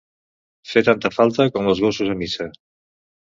Fer tanta falta com els gossos a missa.